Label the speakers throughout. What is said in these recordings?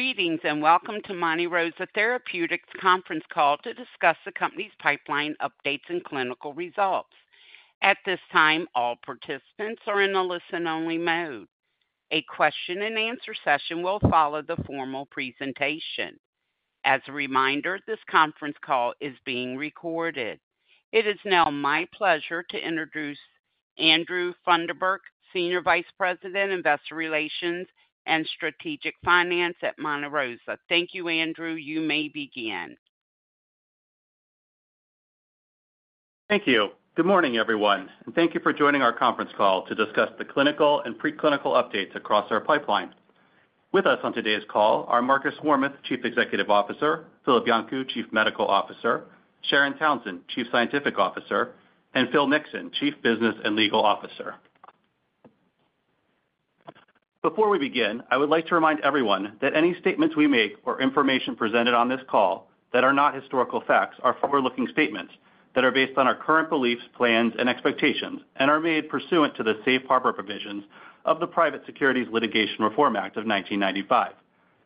Speaker 1: Greetings and Welcome to Monte Rosa Therapeutics Conference Call to Discuss the Company's Pipeline Updates and Clinical Results. At this time, all participants are in a listen-only mode. A question-and-answer session will follow the formal presentation. As a reminder, this conference call is being recorded. It is now my pleasure to introduce Andrew Funderburk, Senior Vice President, Investor Relations and Strategic Finance at Monte Rosa Therapeutics. Thank you, Andrew. You may begin.
Speaker 2: Thank you. Good morning, everyone, and Thank you for joining Our Conference Call to Discuss the Clinical and Preclinical Updates Across Our Pipeline. With us on today's call are Markus Warmuth, Chief Executive Officer; Filip Janku, Chief Medical Officer; Sharon Townson, Chief Scientific Officer; and Phil Nixon, Chief Business and Legal Officer. Before we begin, I would like to remind everyone that any statements we make or information presented on this call that are not historical facts are forward-looking statements that are based on our current beliefs, plans, and expectations, and are made pursuant to the Safe Harbor provisions of the Private Securities Litigation Reform Act of 1995.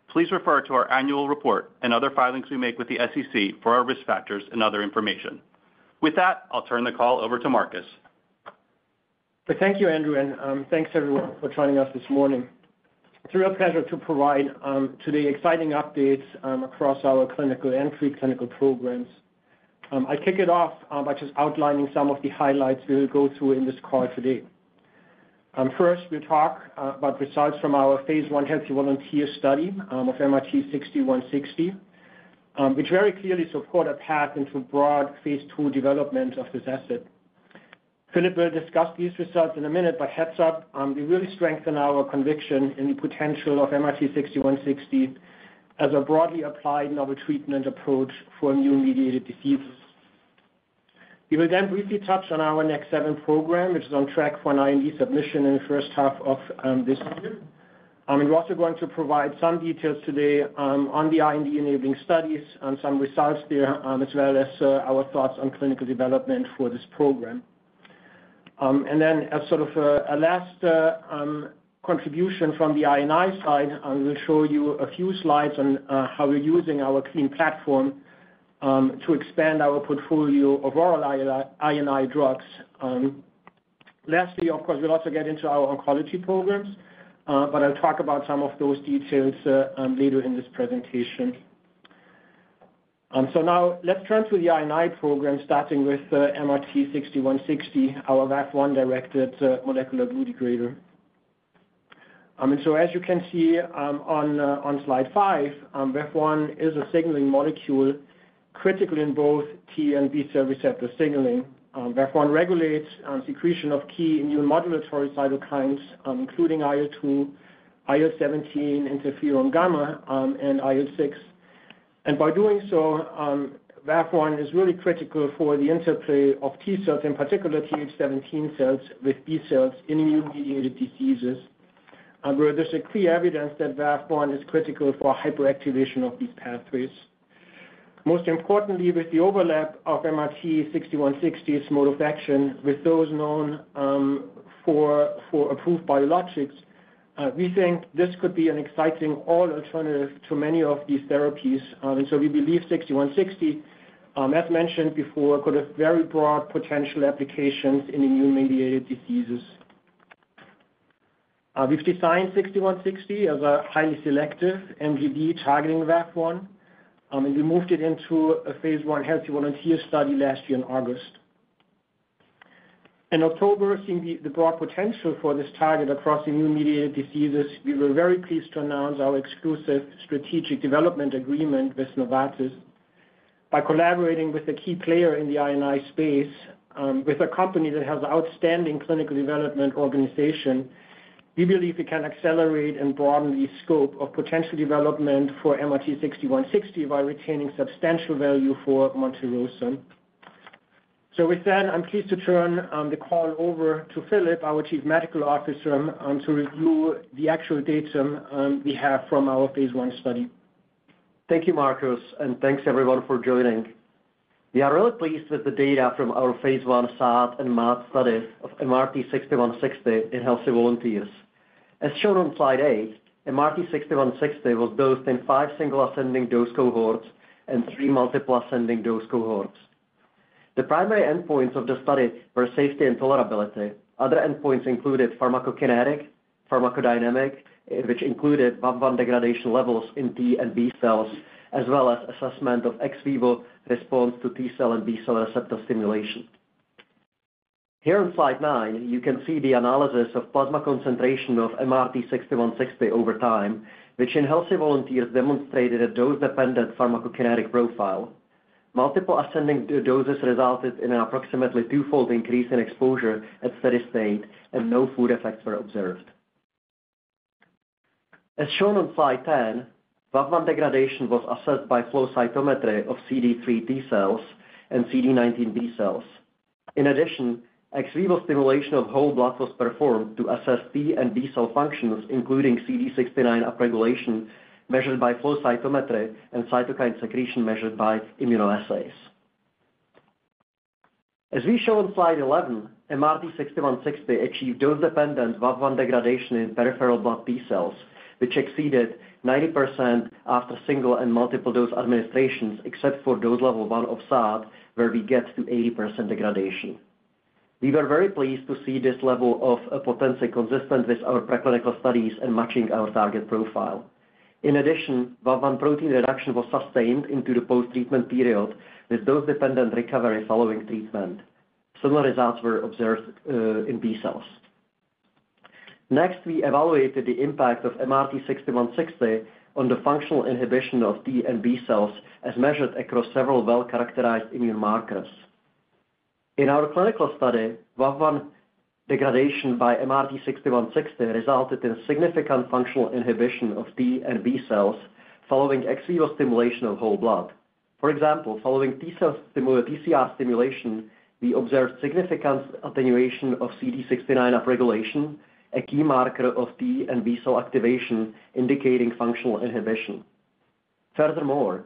Speaker 2: Please refer to our annual report and other filings we make with the SEC for our risk factors and other information. With that, I'll turn the call over to Marcus.
Speaker 3: Thank you, Andrew, and thanks, everyone, for joining us this morning. It's a real pleasure to provide today exciting updates across our clinical and preclinical programs. I'll kick it off by just outlining some of the highlights we will go through in this call today. First, we'll talk about results from our phase I healthy volunteer study of MRT-6160, which very clearly supports a path into broad phase II development of this asset. Filip will discuss these results in a minute, but heads up, we really strengthen our conviction in the potential of MRT-6160 as a broadly applied novel treatment approach for immune-mediated diseases. We will then briefly touch on our next NEK7 program, which is on track for an IND submission in the first half of this year. I'm also going to provide some details today on the IND enabling studies and some results there, as well as our thoughts on clinical development for this program. As sort of a last contribution from the I&I side, I will show you a few slides on how we're using our QuEEN platform to expand our portfolio of oral I&I drugs. Lastly, of course, we'll also get into our oncology programs, but I'll talk about some of those details later in this presentation. Now, let's turn to the I&I program, starting with MRT-6160, our VAV1-directed molecular glue degrader. As you can see on Slide 5, VAV1 is a signaling molecule critical in both T- and B-cell receptor signaling. VAV1 regulates the secretion of key immunemodulatory cytokines, including IL-2, IL-17, interferon gamma, and IL-6. By doing so, VAV1 is really critical for the interplay of T-cells, in particular Th17 cells with B cells in immune-mediated diseases, where there is clear evidence that VAV1 is critical for hyperactivation of these pathways. Most importantly, with the overlap of MRT-6160's mode of action with those known for approved biologics, we think this could be an exciting alternative to many of these therapies. We believe 6160, as mentioned before, could have very broad potential applications in immune-mediated diseases. We have designed 6160 as a highly selective MGD-targeting VAV1, and we moved it into a phase I healthy volunteer study last year in August. In October, seeing the broad potential for this target across immune-mediated diseases, we were very pleased to announce our exclusive strategic development agreement with Novartis. By collaborating with a key player in the I&I space, with a company that has an outstanding clinical development organization, we believe we can accelerate and broaden the scope of potential development for MRT-6160 while retaining substantial value for Monte Rosa. With that, I'm pleased to turn the call over to Filip, our Chief Medical Officer, to review the actual data we have from our phase I study.
Speaker 4: Thank you, Marcus, and thanks, everyone, for joining. We are really pleased with the data from our phase I SAD and MAD study of MRT-6160 in healthy volunteers. As shown on Slide 8, MRT-6160 was dosed in five single-ascending dose cohorts and three multiple-ascending dose cohorts. The primary endpoints of the study were safety and tolerability. Other endpoints included pharmacokinetic, pharmacodynamic, which included VAV1 degradation levels in T and B cells, as well as assessment of ex vivo response to T cell and B cell receptor stimulation. Here on Slide 9, you can see the analysis of plasma concentration of MRT-6160 over time, which in healthy volunteers demonstrated a dose-dependent pharmacokinetic profile. Multiple-ascending doses resulted in an approximately twofold increase in exposure at steady state, and no food effects were observed. As shown on Slide 10, VAV1 degradation was assessed by flow cytometry of CD3 T cells and CD19 B cells. In addition, ex vivo stimulation of whole blood was performed to assess T and B cell functions, including CD69 upregulation measured by flow cytometry and cytokine secretion measured by immunoassays. As we show on Slide 11, MRT-6160 achieved dose-dependent VAV1 degradation in peripheral blood T cells, which exceeded 90% after single and multiple dose administrations, except for dose level one of SAD, where we get to 80% degradation. We were very pleased to see this level of potency consistent with our preclinical studies and matching our target profile. In addition, VAV1 protein reduction was sustained into the post-treatment period with dose-dependent recovery following treatment. Similar results were observed in B cells. Next, we evaluated the impact of MRT-6160 on the functional inhibition of T and B cells as measured across several well-characterized immune markers. In our clinical study, VAV1 degradation by MRT-6160 resulted in significant functional inhibition of T and B cells following ex vivo stimulation of whole blood. For example, following TCR stimulation, we observed significant attenuation of CD69 upregulation, a key marker of T and B cell activation indicating functional inhibition. Furthermore,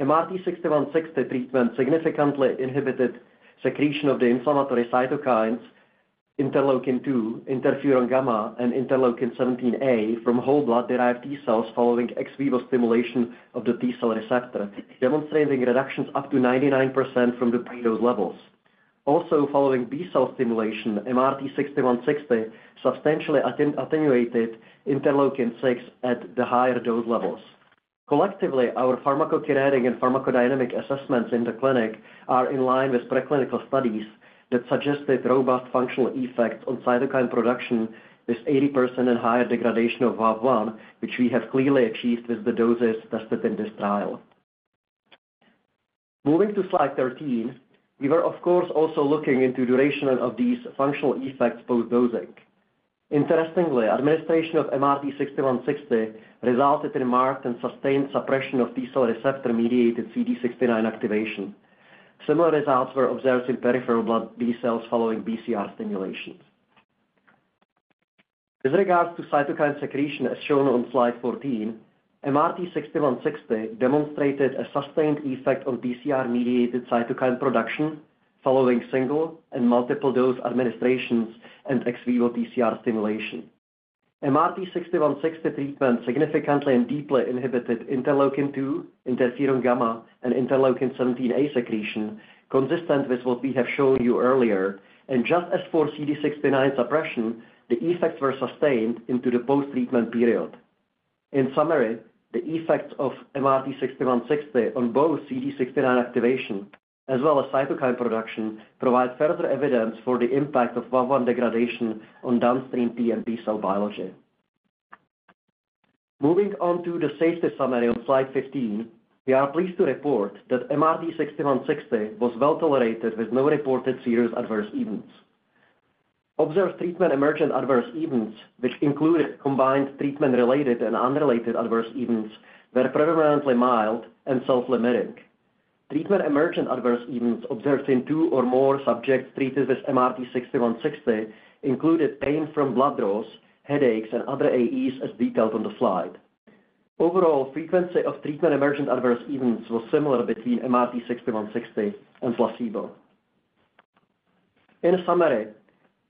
Speaker 4: MRT-6160 treatment significantly inhibited secretion of the inflammatory cytokines interleukin-2, interferon gamma, and interleukin-17A from whole blood-derived T cells following ex vivo stimulation of the T cell receptor, demonstrating reductions up to 99% from the pre-dose levels. Also, following B cell stimulation, MRT-6160 substantially attenuated interleukin-6 at the higher dose levels. Collectively, our pharmacokinetic and pharmacodynamic assessments in the clinic are in line with preclinical studies that suggested robust functional effects on cytokine production with 80% and higher degradation of VAV1, which we have clearly achieved with the doses tested in this trial. Moving to Slide 13, we were, of course, also looking into the duration of these functional effects post-dosing. Interestingly, administration of MRT-6160 resulted in marked and sustained suppression of T cell receptor-mediated CD69 activation. Similar results were observed in peripheral blood B cells following BCR stimulation. With regards to cytokine secretion, as shown on Slide 14, MRT-6160 demonstrated a sustained effect on BCR-mediated cytokine production following single and multiple dose administrations and ex vivo TCR stimulation. MRT-6160 treatment significantly and deeply inhibited interleukin-2, interferon gamma, and interleukin-17A secretion, consistent with what we have shown you earlier. Just as for CD69 suppression, the effects were sustained into the post-treatment period. In summary, the effects of MRT-6160 on both CD69 activation as well as cytokine production provide further evidence for the impact of VAV1 degradation on downstream T and B cell biology. Moving on to the safety summary on Slide 15, we are pleased to report that MRT-6160 was well tolerated with no reported serious adverse events. Observed treatment emergent adverse events, which included combined treatment-related and unrelated adverse events, were predominantly mild and self-limiting. Treatment emergent adverse events observed in two or more subjects treated with MRT-6160 included pain from blood draws, headaches, and other AEs, as detailed on the slide. Overall, the frequency of treatment emergent adverse events was similar between MRT-6160 and placebo. In summary,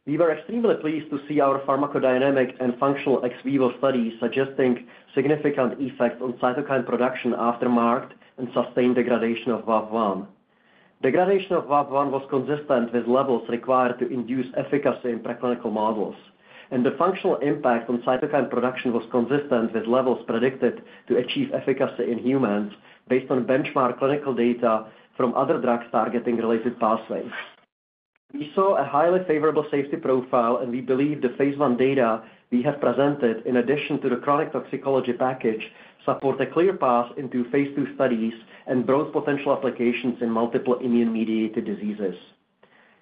Speaker 4: we were extremely pleased to see our pharmacodynamic and functional ex vivo studies suggesting significant effects on cytokine production after marked and sustained degradation of VAV1. Degradation of VAV1 was consistent with levels required to induce efficacy in preclinical models, and the functional impact on cytokine production was consistent with levels predicted to achieve efficacy in humans based on benchmark clinical data from other drugs targeting related pathways. We saw a highly favorable safety profile, and we believe the phase I data we have presented, in addition to the chronic toxicology package, support a clear path into phase II studies and broad potential applications in multiple immune-mediated diseases.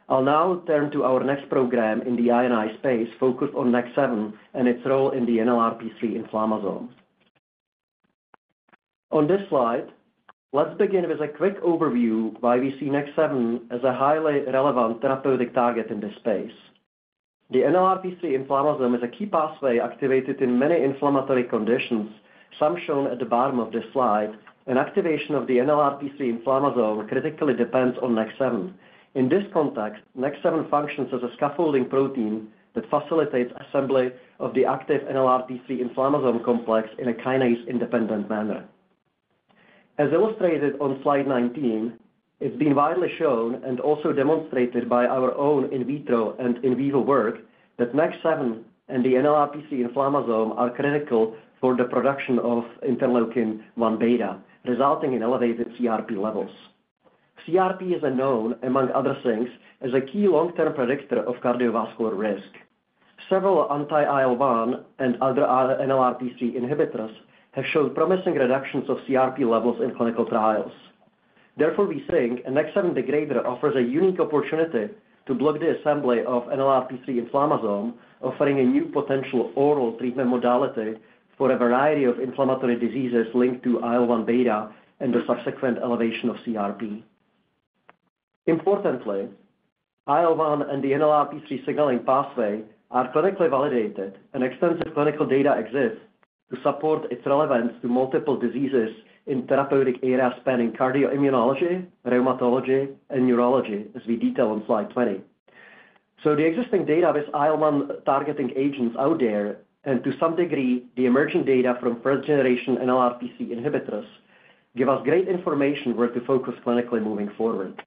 Speaker 4: I'll now turn to our next program in the inflammasome space, focused on NEK7 and its role in the NLRP3 inflammasome. On this slide, let's begin with a quick overview why we see NEK7 as a highly relevant therapeutic target in this space. The NLRP3 inflammasome is a key pathway activated in many inflammatory conditions, some shown at the bottom of this slide, and activation of the NLRP3 inflammasome critically depends on NEK7. In this context, NEK7 functions as a scaffolding protein that facilitates assembly of the active NLRP3 inflammasome complex in a kinase-independent manner. As illustrated on Slide 19, it's been widely shown and also demonstrated by our own in vitro and in vivo work that NEK7 and the NLRP3 inflammasome are critical for the production of interleukin-1 beta, resulting in elevated CRP levels. CRP is known, among other things, as a key long-term predictor of cardiovascular risk. Several anti-IL-1 and other NLRP3 inhibitors have shown promising reductions of CRP levels in clinical trials. Therefore, we think a NEK7 degrader offers a unique opportunity to block the assembly of NLRP3 inflammasome, offering a new potential oral treatment modality for a variety of inflammatory diseases linked to IL-1β and the subsequent elevation of CRP. Importantly, IL-1 and the NLRP3 signaling pathway are clinically validated, and extensive clinical data exists to support its relevance to multiple diseases in therapeutic areas spanning cardioimmunology, rheumatology, and neurology, as we detail on Slide 20. The existing data with IL-1 targeting agents out there, and to some degree, the emerging data from first-generation NLRP3 inhibitors, give us great information where to focus clinically moving forward.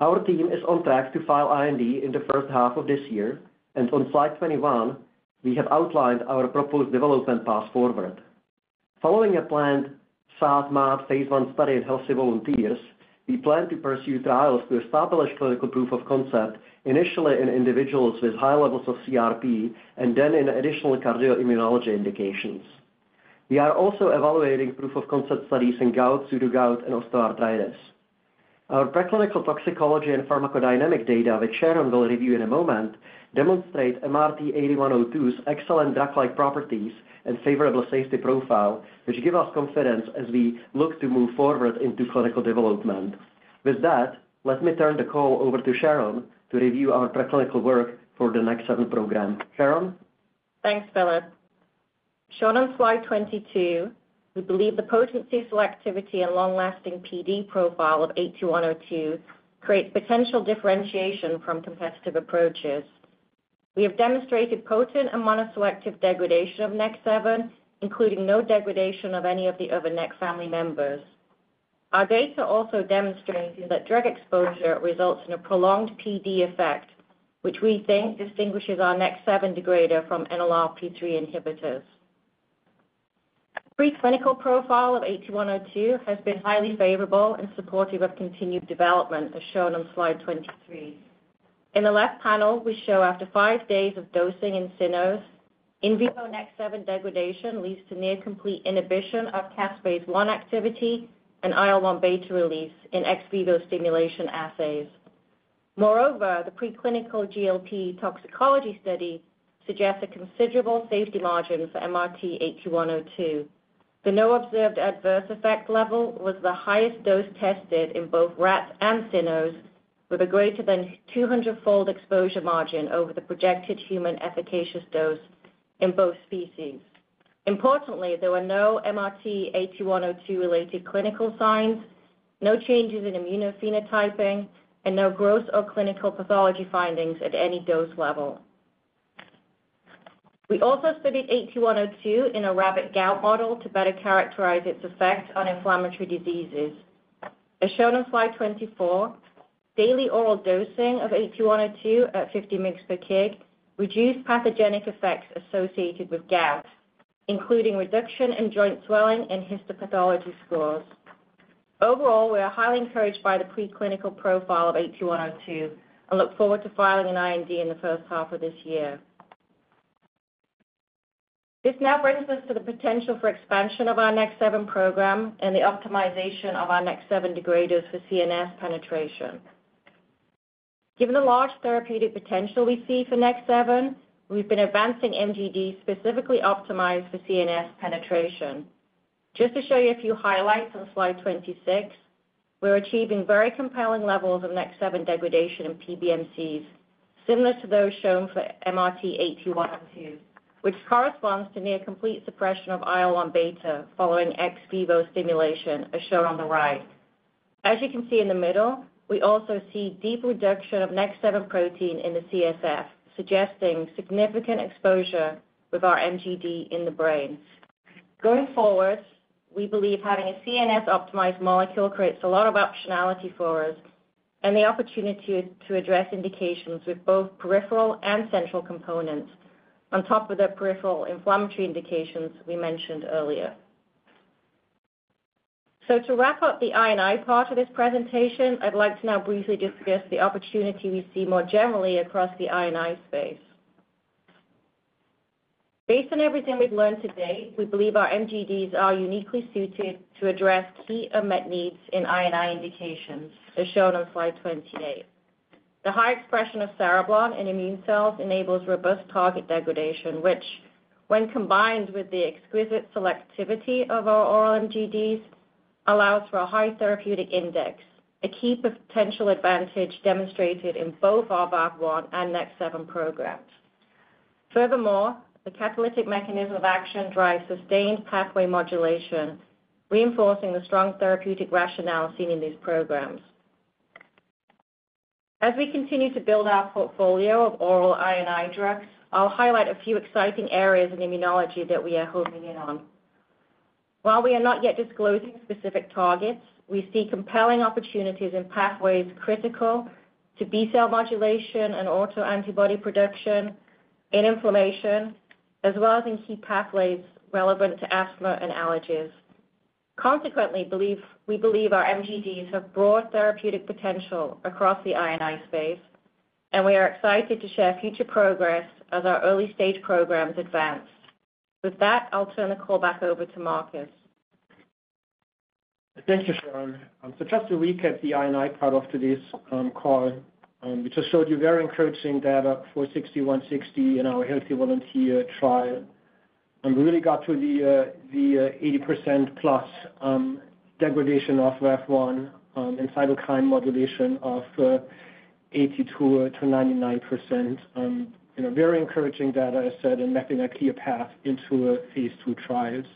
Speaker 4: Our team is on track to file IND in the first half of this year, and on slide 21, we have outlined our proposed development path forward. Following a planned SAD/MAD phase I study in healthy volunteers, we plan to pursue trials to establish clinical proof of concept, initially in individuals with high levels of CRP and then in additional cardioimmunology indications. We are also evaluating proof of concept studies in gout, pseudogout, and osteoarthritis. Our preclinical toxicology and pharmacodynamic data, which Sharon will review in a moment, demonstrate MRT-8102's excellent drug-like properties and favorable safety profile, which give us confidence as we look to move forward into clinical development. With that, let me turn the call over to Sharon to review our preclinical work for the NEK7 program. Sharon?
Speaker 5: Thanks, Filip. Shown on Slide 22, we believe the potency, selectivity, and long-lasting PD profile of MRT-8102 creates potential differentiation from competitive approaches. We have demonstrated potent and monoselective degradation of NEK7, including no degradation of any of the other NEK family members. Our data also demonstrate that drug exposure results in a prolonged PD effect, which we think distinguishes our NEK7 degrader from NLRP3 inhibitors. Preclinical profile of MRT-8102 has been highly favorable and supportive of continued development, as shown on Slide 23. In the left panel, we show after five days of dosing in cynos, in vivo NEK7 degradation leads to near-complete inhibition of caspase-1 activity and IL-1β release in ex vivo stimulation assays. Moreover, the preclinical GLP toxicology study suggests a considerable safety margin for MRT-8102. The no-observed adverse effect level was the highest dose tested in both rats and cynos, with a greater than 200-fold exposure margin over the projected human efficacious dose in both species. Importantly, there were no MRT-8102-related clinical signs, no changes in immunophenotyping, and no gross or clinical pathology findings at any dose level. We also studied 8102 in a rabbit-gout model to better characterize its effect on inflammatory diseases. As shown on Slide 24, daily oral dosing of 8102 at 50 mg per kg reduced pathogenic effects associated with gout, including reduction in joint swelling and histopathology scores. Overall, we are highly encouraged by the preclinical profile of 8102 and look forward to filing an IND in the first half of this year. This now brings us to the potential for expansion of our NEK7 program and the optimization of our NEK7 degraders for CNS penetration. Given the large therapeutic potential we see for NEK7, we've been advancing MGDs specifically optimized for CNS penetration. Just to show you a few highlights on Slide 26, we're achieving very compelling levels of NEK7 degradation in PBMCs, similar to those shown for MRT-8102, which corresponds to near-complete suppression of IL-1β following ex vivo stimulation, as shown on the right. As you can see in the middle, we also see deep reduction of NEK7 protein in the CSF, suggesting significant exposure with our MGD in the brain. Going forward, we believe having a CNS-optimized molecule creates a lot of optionality for us and the opportunity to address indications with both peripheral and central components, on top of the peripheral inflammatory indications we mentioned earlier. To wrap up the I&I part of this presentation, I'd like to now briefly discuss the opportunity we see more generally across the I&I space. Based on everything we've learned today, we believe our MGDs are uniquely suited to address key unmet needs in I&I indications, as shown on Slide 28. The high expression of cereblon in immune cells enables robust target degradation, which, when combined with the exquisite selectivity of our oral MGDs, allows for a high therapeutic index, a key potential advantage demonstrated in both our VAV1 and NEK7 programs. Furthermore, the catalytic mechanism of action drives sustained pathway modulation, reinforcing the strong therapeutic rationale seen in these programs. As we continue to build our portfolio of oral I&I drugs, I'll highlight a few exciting areas in immunology that we are honing in on. While we are not yet disclosing specific targets, we see compelling opportunities in pathways critical to B-cell modulation and autoantibody production in inflammation, as well as in key pathways relevant to asthma and allergies. Consequently, we believe our MGDs have broad therapeutic potential across the I&I space, and we are excited to share future progress as our early-stage programs advance. With that, I'll turn the call back over to Marcus.
Speaker 3: Thank you, Sharon. Just to recap the I&I part of today's call, we just showed you very encouraging data for 6160 in our healthy volunteer trial. We really got to the 80%+ degradation of VAV1 and cytokine modulation of 82%-99%. Very encouraging data, as I said, and mapping a clear path into phase II trials.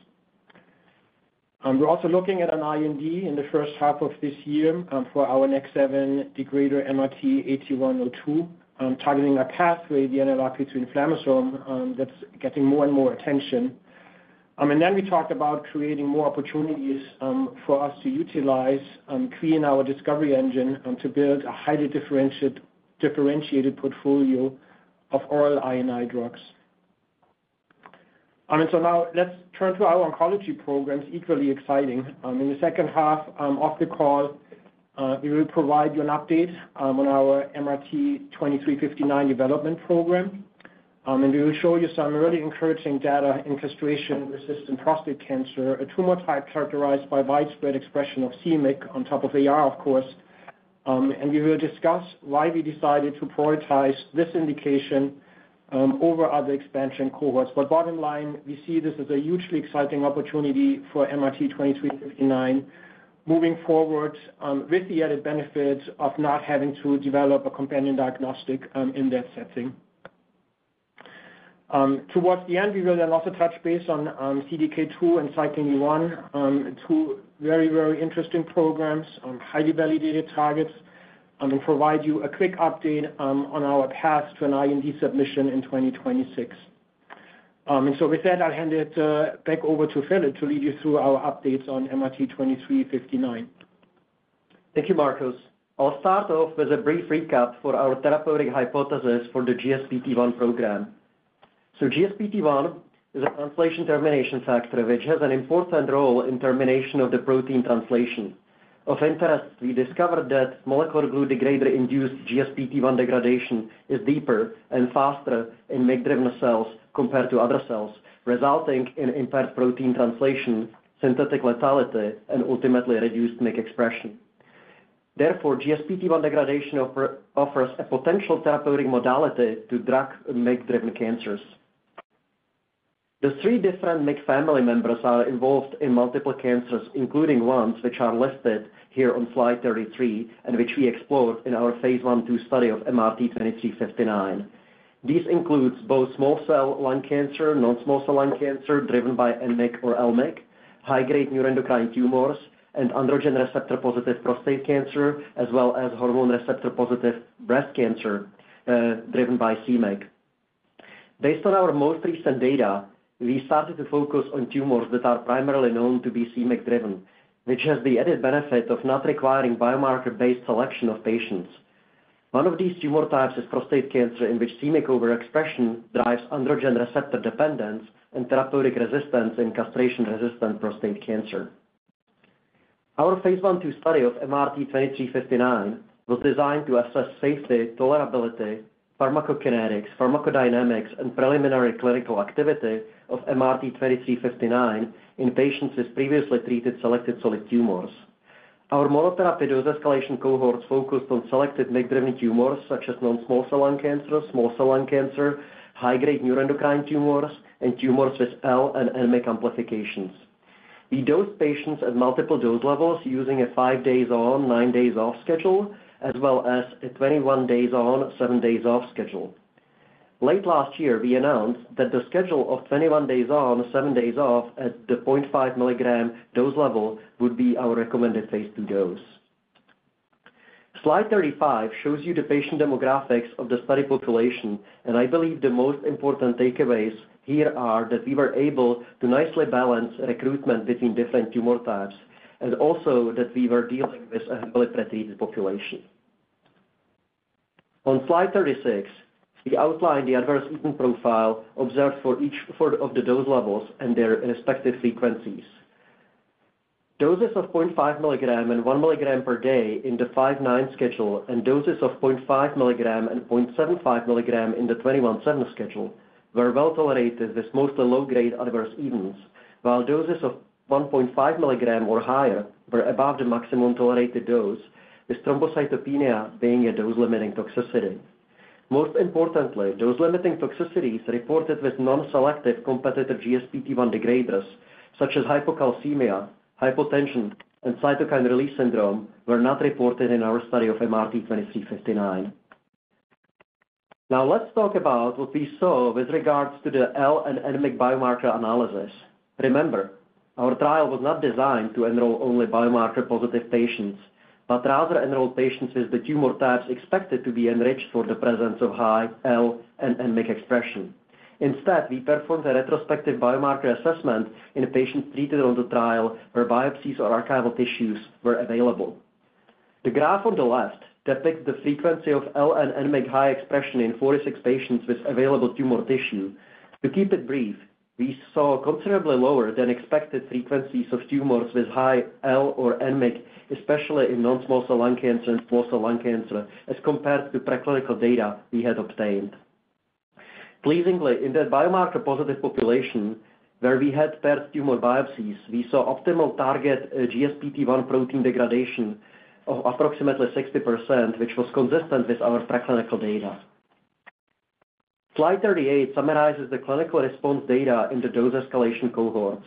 Speaker 3: We are also looking at an IND in the first half of this year for our next NEK7 degrader MRT-8102, targeting a pathway, the NLRP3 inflammasome, that is getting more and more attention. Then we talked about creating more opportunities for us to utilize, clean our discovery engine to build a highly differentiated portfolio of oral I&I drugs. Now let's turn to our oncology programs, equally exciting. In the second half of the call, we will provide you an update on our MRT-2359 development program, and we will show you some really encouraging data in castration-resistant prostate cancer, a tumor type characterized by widespread expression of MYC on top of AR, of course. We will discuss why we decided to prioritize this indication over other expansion cohorts. Bottom line, we see this as a hugely exciting opportunity for MRT-2359 moving forward, with the added benefit of not having to develop a companion diagnostic in that setting. Towards the end, we will then also touch base on CDK2 and Cyclin E1, two very, very interesting programs, highly validated targets, and provide you a quick update on our path to an IND submission in 2026. With that, I'll hand it back over to Filip to lead you through our updates on MRT-2359.
Speaker 4: Thank you, Marcus. I'll start off with a brief recap for our therapeutic hypothesis for the GSPT1 program. GSPT1 is a translation termination factor, which has an important role in termination of the protein translation. Of interest, we discovered that molecular glue degrader-induced GSPT1 degradation is deeper and faster in MYC-driven cells compared to other cells, resulting in impaired protein translation, synthetic lethality, and ultimately reduced MYC expression. Therefore, GSPT1 degradation offers a potential therapeutic modality to drug-MYC-driven cancers. The three different MYC family members are involved in multiple cancers, including ones which are listed here on Slide 33 and which we explored in our Phase 1/2 study of MRT-2359. These include both small cell lung cancer, non-small cell lung cancer driven by N-MYC or L-MYC, high-grade neuroendocrine tumors, and androgen receptor-positive prostate cancer, as well as hormone receptor-positive breast cancer driven by c-MYC. Based on our most recent data, we started to focus on tumors that are primarily known to be MYC-driven, which has the added benefit of not requiring biomarker-based selection of patients. One of these tumor types is prostate cancer, in which MYC overexpression drives androgen receptor dependence and therapeutic resistance in castration-resistant prostate cancer. Our Phase 1/2 study of MRT-2359 was designed to assess safety, tolerability, pharmacokinetics, pharmacodynamics, and preliminary clinical activity of MRT-2359 in patients with previously treated selected solid tumors. Our monotherapy dose escalation cohorts focused on selected MYC-driven tumors, such as non-small cell lung cancer, small cell lung cancer, high-grade neuroendocrine tumors, and tumors with L-MYC and N-MYC amplifications. We dosed patients at multiple dose levels using a five days on, nine days off schedule, as well as a 21 days on, seven days off schedule. Late last year, we announced that the schedule of 21 days on, seven days off at the 0.5 mg dose level would be our recommended phase II dose. Slide 35 shows you the patient demographics of the study population, and I believe the most important takeaways here are that we were able to nicely balance recruitment between different tumor types, and also that we were dealing with a heavily pretreated population. On Slide 36, we outlined the adverse event profile observed for each four of the dose levels and their respective frequencies. Doses of 0.5 mg and 1 mg per day in the 5-9 schedule and doses of 0.5 mg and 0.75 mg in the 21-7 schedule were well tolerated with mostly low-grade adverse events, while doses of 1.5 mg or higher were above the maximum tolerated dose, with thrombocytopenia being a dose-limiting toxicity. Most importantly, dose-limiting toxicities reported with non-selective competitive GSPT1 degraders, such as hypocalcemia, hypotension, and cytokine release syndrome, were not reported in our study of MRT-2359. Now, let's talk about what we saw with regards to the L- and N-MYC biomarker analysis. Remember, our trial was not designed to enroll only biomarker-positive patients, but rather enroll patients with the tumor types expected to be enriched for the presence of high L- and N-MYC expression. Instead, we performed a retrospective biomarker assessment in patients treated on the trial where biopsies or archival tissues were available. The graph on the left depicts the frequency of L- and N-MYC high expression in 46 patients with available tumor tissue. To keep it brief, we saw considerably lower than expected frequencies of tumors with high L or N-MYC, especially in non-small cell lung cancer and small cell lung cancer, as compared to preclinical data we had obtained. Pleasingly, in the biomarker-positive population where we had paired tumor biopsies, we saw optimal target GSPT1 protein degradation of approximately 60%, which was consistent with our preclinical data. Slide 38 summarizes the clinical response data in the dose escalation cohorts.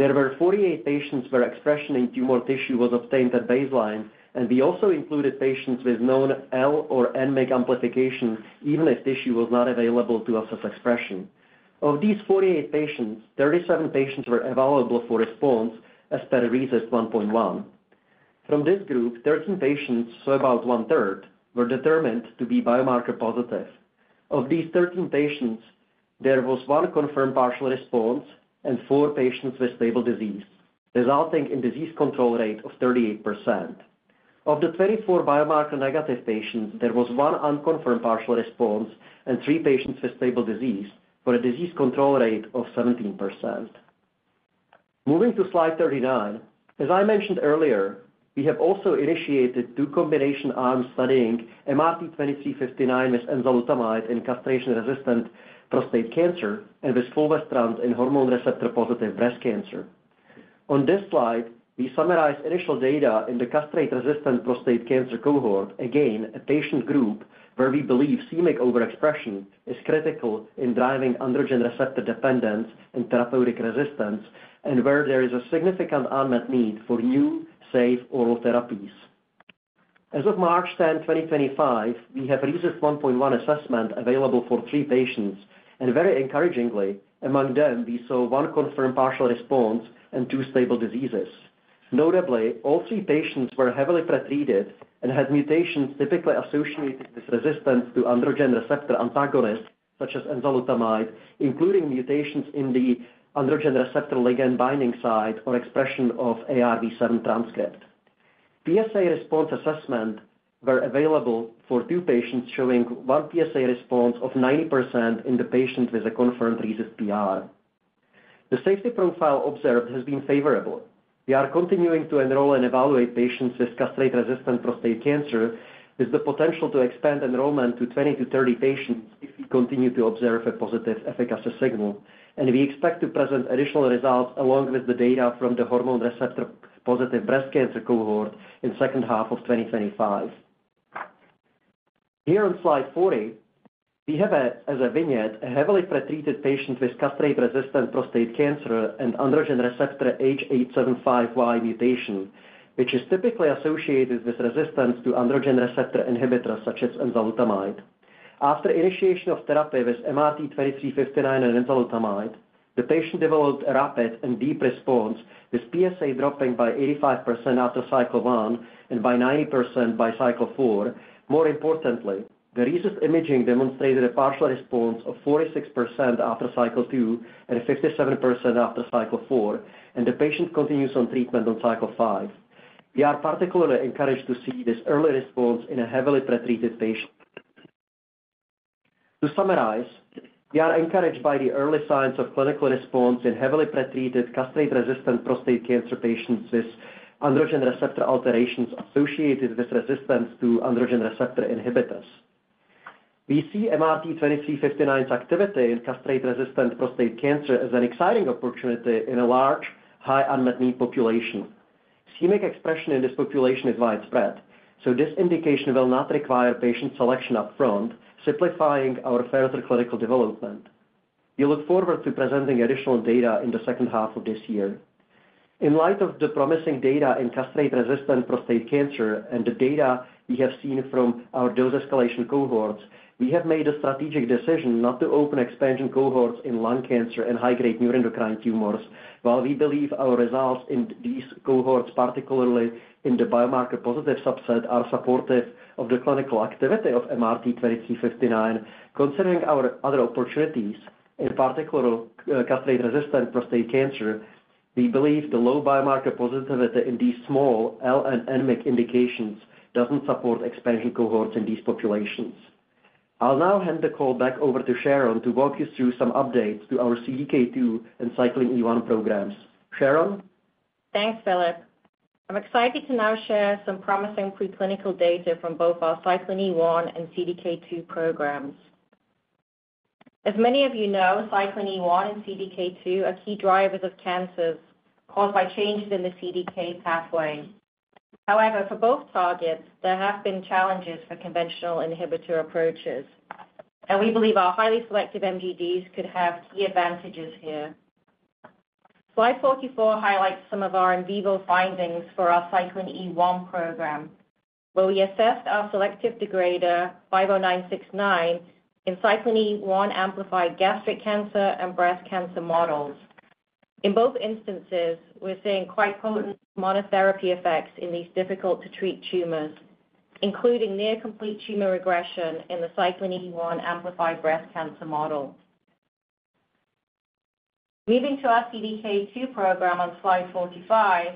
Speaker 4: There were 48 patients where expression in tumor tissue was obtained at baseline, and we also included patients with known L or N-MYC amplification, even if tissue was not available to assess expression. Of these 48 patients, 37 patients were available for response as per RECIST 1.1. From this group, 13 patients, so about one-third, were determined to be biomarker-positive. Of these 13 patients, there was one confirmed partial response and four patients with stable disease, resulting in a disease control rate of 38%. Of the 24 biomarker-negative patients, there was one unconfirmed partial response and three patients with stable disease for a disease control rate of 17%. Moving to Slide 39, as I mentioned earlier, we have also initiated two combination arms studying MRT-2359 with enzalutamide in castration-resistant prostate cancer and with fulvestrant in hormone receptor-positive breast cancer. On this slide, we summarize initial data in the castration-resistant prostate cancer cohort, again a patient group where we believe MYC overexpression is critical in driving androgen receptor dependence and therapeutic resistance, and where there is a significant unmet need for new safe oral therapies. As of March 10, 2025, we have RECIST 1.1 assessment available for three patients, and very encouragingly, among them, we saw one confirmed partial response and two stable diseases. Notably, all three patients were heavily pretreated and had mutations typically associated with resistance to androgen receptor antagonists such as enzalutamide, including mutations in the androgen receptor ligand binding site or expression of ARV7 transcript. PSA response assessments were available for two patients showing one PSA response of 90% in the patient with a confirmed RECIST PR. The safety profile observed has been favorable. We are continuing to enroll and evaluate patients with castration-resistant prostate cancer with the potential to expand enrollment to 20-30 patients if we continue to observe a positive efficacy signal, and we expect to present additional results along with the data from the hormone receptor-positive breast cancer cohort in the second half of 2025. Here on Slide 40, we have, as a vignette, a heavily pretreated patient with castration-resistant prostate cancer and androgen receptor H875Y mutation, which is typically associated with resistance to androgen receptor inhibitors such as enzalutamide. After initiation of therapy with MRT-2359 and enzalutamide, the patient developed a rapid and deep response, with PSA dropping by 85% after cycle one and by 90% by cycle four. More importantly, the RECIST imaging demonstrated a partial response of 46% after cycle two and 57% after cycle four, and the patient continues on treatment on cycle five. We are particularly encouraged to see this early response in a heavily pretreated patient. To summarize, we are encouraged by the early signs of clinical response in heavily pretreated castration-resistant prostate cancer patients with androgen receptor alterations associated with resistance to androgen receptor inhibitors. We see MRT-2359's activity in castration-resistant prostate cancer as an exciting opportunity in a large, high unmet need population. c-MYC expression in this population is widespread, so this indication will not require patient selection upfront, simplifying our further clinical development. We look forward to presenting additional data in the second half of this year. In light of the promising data in castration-resistant prostate cancer and the data we have seen from our dose escalation cohorts, we have made a strategic decision not to open expansion cohorts in lung cancer and high-grade neuroendocrine tumors, while we believe our results in these cohorts, particularly in the biomarker-positive subset, are supportive of the clinical activity of MRT-2359. Considering our other opportunities, in particular castration-resistant prostate cancer, we believe the low biomarker positivity in these small L- and N-MYC indications does not support expansion cohorts in these populations. I'll now hand the call back over to Sharon to walk you through some updates to our CDK2 and Cyclin E1 programs. Sharon?
Speaker 5: Thanks, Filip. I'm excited to now share some promising preclinical data from both our Cyclin E1 and CDK2 programs. As many of you know, Cyclin E1 and CDK2 are key drivers of cancers caused by changes in the CDK pathway. However, for both targets, there have been challenges for conventional inhibitor approaches, and we believe our highly selective MGDs could have key advantages here. Slide 44 highlights some of our in vivo findings for our Cyclin E1 program, where we assessed our selective degrader 50969 in Cyclin E1 amplified gastric cancer and breast cancer models. In both instances, we're seeing quite potent monotherapy effects in these difficult-to-treat tumors, including near-complete tumor regression in the Cyclin E1 amplified breast cancer model. Moving to our CDK2 program on Slide 45,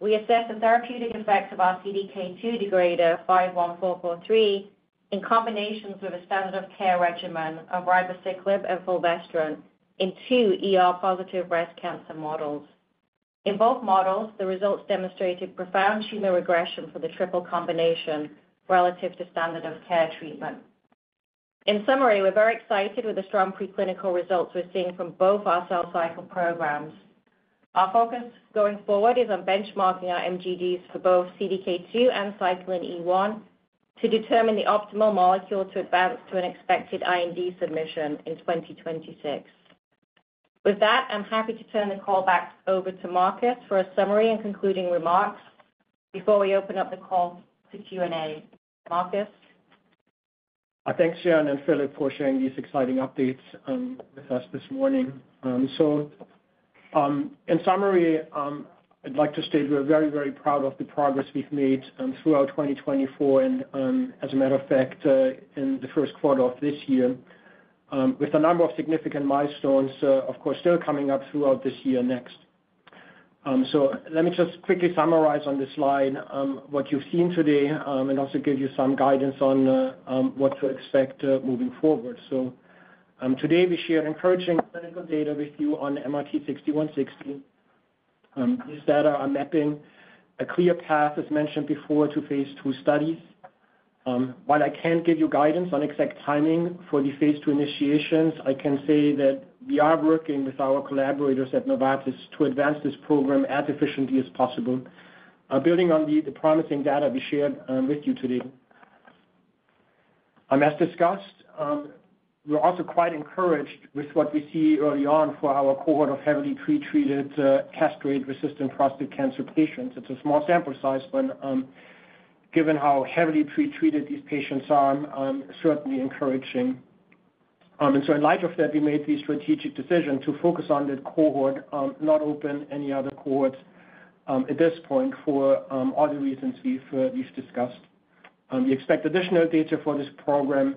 Speaker 5: we assess the therapeutic effect of our CDK2 degrader 51443 in combinations with a standard of care regimen of ribociclib and fulvestrant in two ER-positive breast cancer models. In both models, the results demonstrated profound tumor regression for the triple combination relative to standard of care treatment. In summary, we're very excited with the strong preclinical results we're seeing from both our cell cycle programs. Our focus going forward is on benchmarking our MGDs for both CDK2 and Cyclin E1 to determine the optimal molecule to advance to an expected IND submission in 2026. With that, I'm happy to turn the call back over to Marcus for a summary and concluding remarks before we open up the call to Q&A. Marcus?
Speaker 3: Thanks, Sharon and Filip, for sharing these exciting updates with us this morning. In summary, I'd like to state we're very, very proud of the progress we've made throughout 2024 and, as a matter of fact, in the first quarter of this year, with a number of significant milestones, of course, still coming up throughout this year next. Let me just quickly summarize on this slide what you've seen today and also give you some guidance on what to expect moving forward. Today, we shared encouraging clinical data with you on MRT-6160. These data are mapping a clear path, as mentioned before, to phase II studies. While I can't give you guidance on exact timing for the phase II initiations, I can say that we are working with our collaborators at Novartis to advance this program as efficiently as possible, building on the promising data we shared with you today. As discussed, we're also quite encouraged with what we see early on for our cohort of heavily pretreated castration-resistant prostate cancer patients. It's a small sample size, but given how heavily pretreated these patients are, certainly encouraging. In light of that, we made the strategic decision to focus on that cohort, not open any other cohorts at this point for all the reasons we've discussed. We expect additional data for this program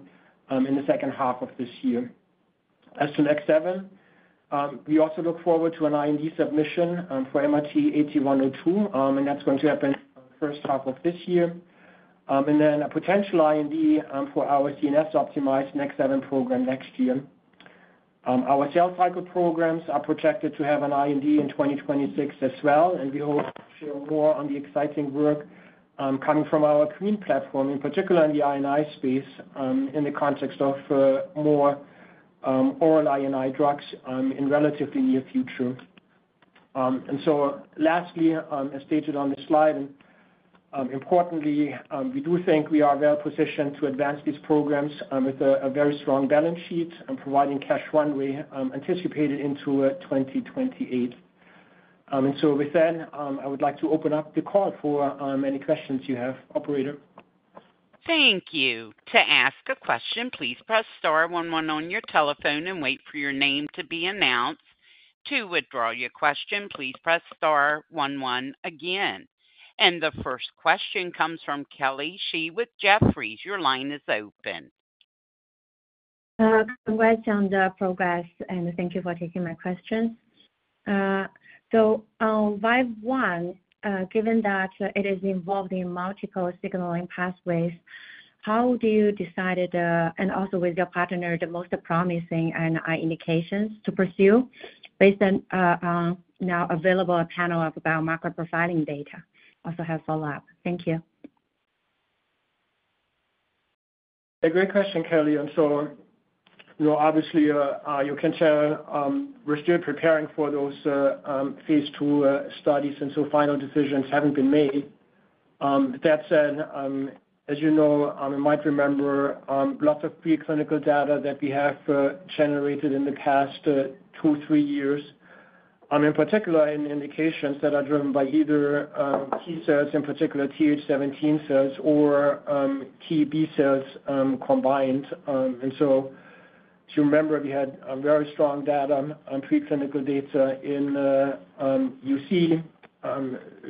Speaker 3: in the second half of this year. As to NEK7, we also look forward to an IND submission for MRT-8102, and that's going to happen in the first half of this year, and then a potential IND for our CNS-optimized NEK7 program next year. Our cell cycle programs are projected to have an IND in 2026 as well, and we hope to share more on the exciting work coming from our QuEEN platform, in particular in the I&I space, in the context of more oral I&I drugs in the relatively near future. Lastly, as stated on this slide, importantly, we do think we are well positioned to advance these programs with a very strong balance sheet and providing cash runway anticipated into 2028. With that, I would like to open up the call for any questions you have, operator.
Speaker 1: Thank you. To ask a question, please press star 11 on your telephone and wait for your name to be announced. To withdraw your question, please press star 11 again. The first question comes from Kelly Shi with Jefferies. Your line is open.
Speaker 6: Good morning, Sharon, the progress, and thank you for taking my questions. On VAV1, given that it is involved in multiple signaling pathways, how do you decide, and also with your partner, the most promising IND indications to pursue based on now available panel of biomarker profiling data? I also have a follow-up. Thank you.
Speaker 3: A great question, Kelly. Obviously, you can tell we're still preparing for those phase II studies, and final decisions haven't been made. That said, as you know, you might remember lots of preclinical data that we have generated in the past two, three years, in particular in indications that are driven by either T cells, in particular TH17 cells, or T B cells combined. If you remember, we had very strong data on preclinical data in UC,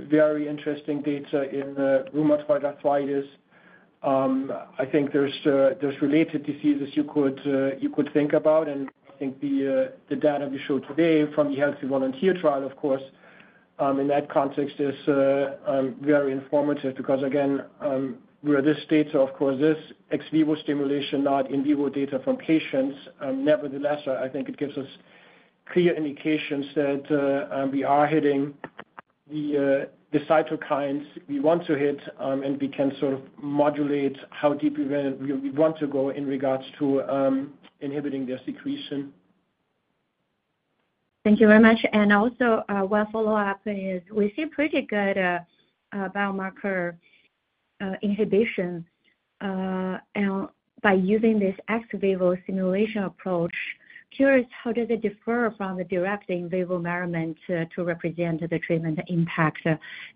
Speaker 3: very interesting data in rheumatoid arthritis. I think there's related diseases you could think about, and I think the data we showed today from the Healthy Volunteer Trial, of course, in that context, is very informative because, again, we're at this stage, of course, this ex vivo stimulation, not in vivo data from patients. Nevertheless, I think it gives us clear indications that we are hitting the cytokines we want to hit, and we can sort of modulate how deep we want to go in regards to inhibiting their secretion.
Speaker 6: Thank you very much. Also, a well-follow-up is we see pretty good biomarker inhibition by using this ex vivo stimulation approach. Curious, how does it differ from the direct in vivo measurement to represent the treatment impact,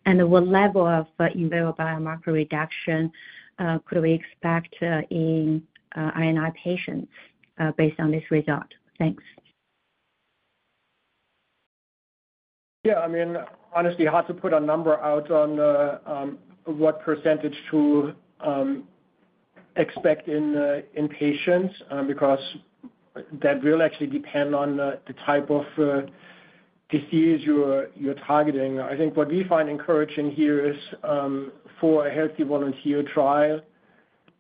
Speaker 6: and what level of in vivo biomarker reduction could we expect in I&I patients based on this result? Thanks.
Speaker 3: Yeah, I mean, honestly, hard to put a number out on what % to expect in patients because that will actually depend on the type of disease you're targeting. I think what we find encouraging here is for a Healthy Volunteer Trial,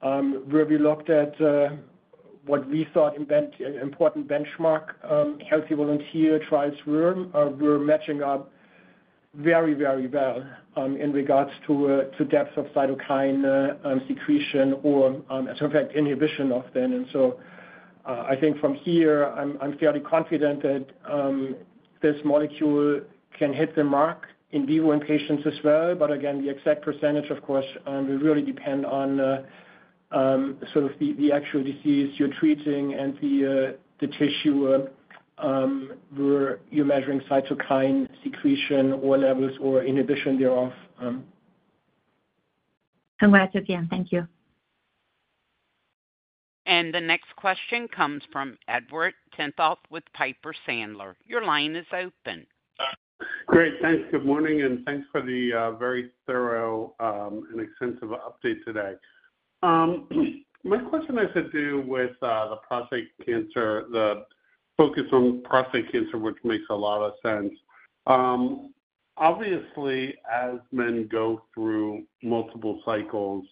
Speaker 3: where we looked at what we thought important benchmark Healthy Volunteer Trials were, we're matching up very, very well in regards to depth of cytokine secretion or, as a matter of fact, inhibition of them. I think from here, I'm fairly confident that this molecule can hit the mark in vivo in patients as well. Again, the exact %, of course, will really depend on sort of the actual disease you're treating and the tissue where you're measuring cytokine secretion or levels or inhibition thereof.
Speaker 6: Congrats again. Thank you.
Speaker 1: The next question comes from Edward Tenthoff with Piper Sandler. Your line is open.
Speaker 7: Great. Thanks. Good morning, and thanks for the very thorough and extensive update today. My question has to do with the prostate cancer, the focus on prostate cancer, which makes a lot of sense. Obviously, as men go through multiple cycles,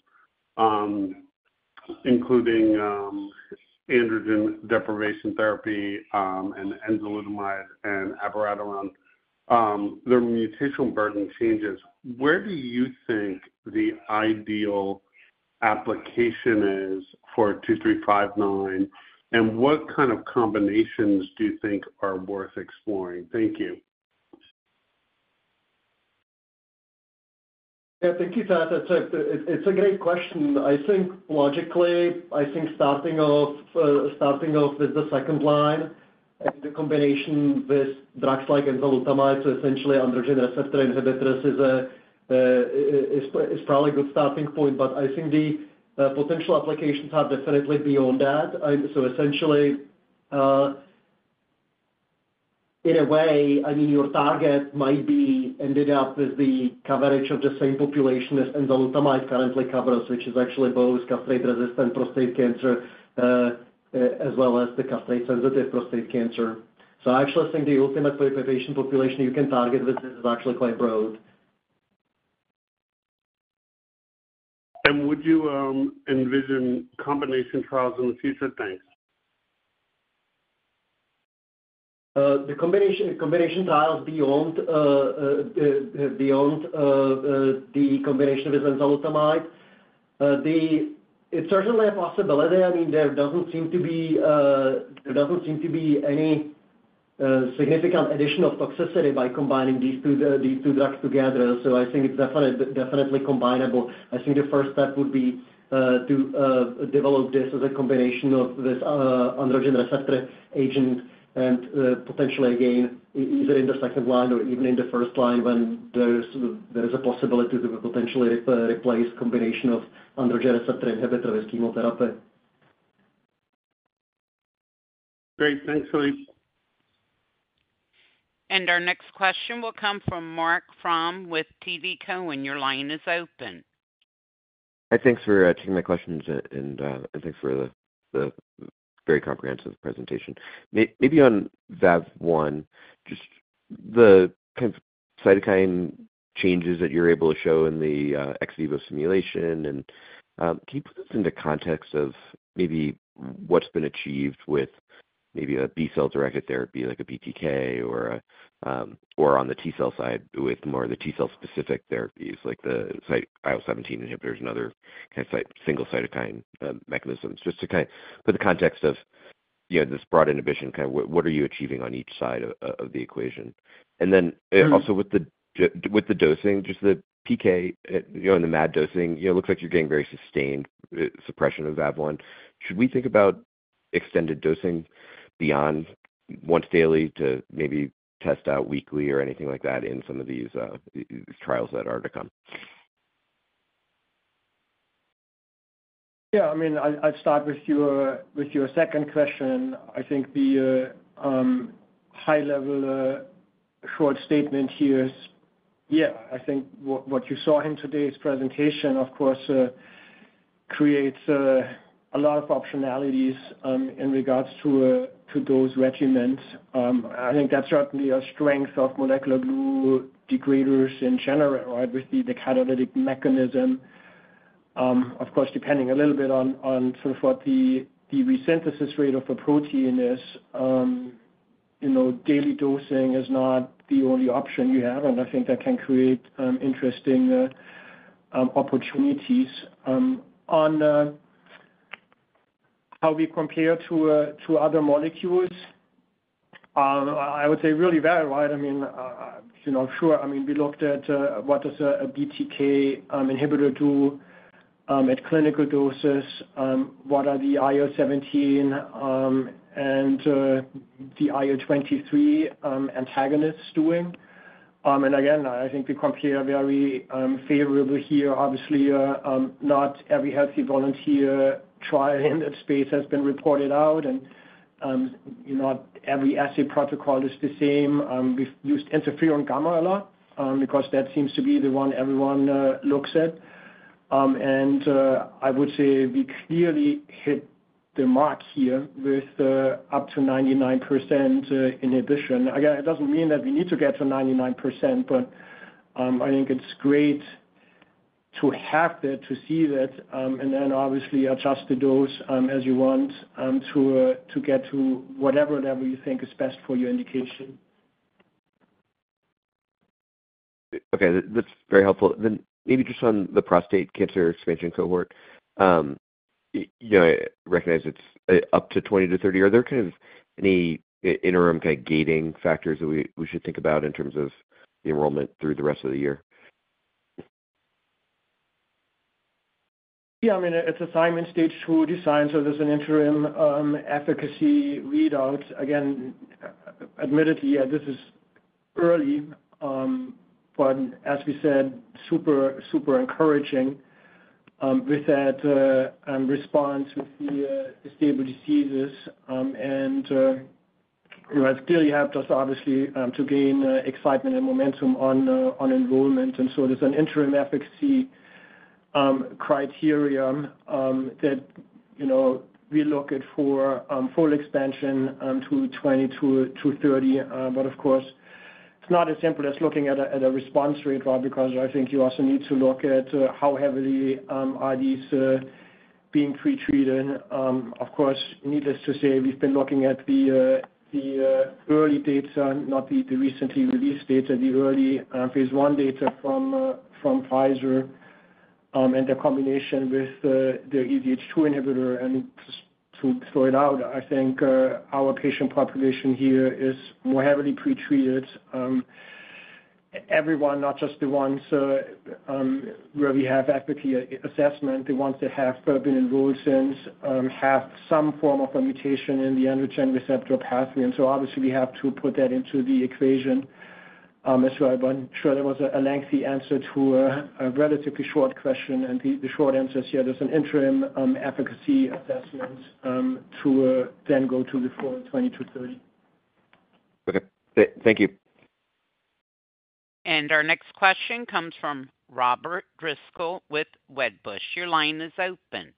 Speaker 7: including androgen deprivation therapy and enzalutamide and abiraterone, their mutational burden changes. Where do you think the ideal application is for 2359, and what kind of combinations do you think are worth exploring? Thank you.
Speaker 4: Yeah, thank you. That's a great question. I think logically, starting off with the second line and the combination with drugs like enzalutamide, so essentially androgen receptor inhibitors, is probably a good starting point. I think the potential applications are definitely beyond that. Essentially, in a way, your target might end up with the coverage of the same population as enzalutamide currently covers, which is actually both castration-resistant prostate cancer as well as the castration-sensitive prostate cancer. I actually think the ultimate patient population you can target with this is actually quite broad.
Speaker 7: Would you envision combination trials in the future? Thanks.
Speaker 4: The combination trials beyond the combination with enzalutamide, it's certainly a possibility. I mean, there doesn't seem to be any significant addition of toxicity by combining these two drugs together. I think it's definitely combineable. I think the first step would be to develop this as a combination of this androgen receptor agent and potentially, again, either in the second line or even in the first line when there is a possibility to potentially replace a combination of androgen receptor inhibitor with chemotherapy.
Speaker 7: Great. Thanks, Filip.
Speaker 1: Our next question will come from Marc Frahm with TD Cowen, and your line is open.
Speaker 8: Hi, thanks for taking my questions, and thanks for the very comprehensive presentation. Maybe on VAV1, just the kind of cytokine changes that you're able to show in the ex vivo stimulation. Can you put this into context of maybe what's been achieved with maybe a B-cell directed therapy like a BTK or on the T-cell side with more of the T-cell-specific therapies, like the IL-17 inhibitors and other kind of single cytokine mechanisms? Just to kind of put the context of this broad inhibition, what are you achieving on each side of the equation? Also with the dosing, just the PK and the MAD dosing, it looks like you're getting very sustained suppression of VAV1. Should we think about extended dosing beyond once daily to maybe test out weekly or anything like that in some of these trials that are to come?
Speaker 3: Yeah, I mean, I'll start with your second question. I think the high-level short statement here is, yeah, I think what you saw in today's presentation, of course, creates a lot of optionalities in regards to those regimens. I think that's certainly a strength of molecular glue degraders in general, right, with the catalytic mechanism, of course, depending a little bit on sort of what the resynthesis rate of the protein is. Daily dosing is not the only option you have, and I think that can create interesting opportunities. On how we compare to other molecules, I would say really very wide. I mean, sure, I mean, we looked at what does a BTK inhibitor do at clinical doses, what are the IL-17 and the IL-23 antagonists doing. Again, I think we compare very favorably here. Obviously, not every Healthy Volunteer Trial in that space has been reported out, and not every assay protocol is the same. We've used interferon gamma a lot because that seems to be the one everyone looks at. I would say we clearly hit the mark here with up to 99% inhibition. Again, it doesn't mean that we need to get to 99%, but I think it's great to have that, to see that, and then obviously adjust the dose as you want to get to whatever level you think is best for your indication.
Speaker 8: Okay. That's very helpful. Maybe just on the prostate cancer expansion cohort, I recognize it's up to 20-30. Are there any interim gating factors that we should think about in terms of the enrollment through the rest of the year?
Speaker 3: Yeah, I mean, it's assignment stage too, would you sign. There is an interim efficacy readout. Again, admittedly, yeah, this is early, but as we said, super encouraging with that response with the stable diseases. It has clearly helped us, obviously, to gain excitement and momentum on enrollment. There is an interim efficacy criteria that we look at for full expansion to 20-30. Of course, it is not as simple as looking at a response rate, right, because I think you also need to look at how heavily are these being pretreated. Needless to say, we've been looking at the early data, not the recently released data, the early phase I data from Pfizer and the combination with the EZH2 inhibitor. To throw it out, I think our patient population here is more heavily pretreated. Everyone, not just the ones where we have efficacy assessment, the ones that have been enrolled since have some form of a mutation in the androgen receptor pathway. Obviously, we have to put that into the equation as well. I'm sure there was a lengthy answer to a relatively short question, and the short answer is here. There's an interim efficacy assessment to then go to the full 20-30.
Speaker 8: Okay. Thank you.
Speaker 1: Our next question comes from Robert Driscoll with Wedbush. Your line is open.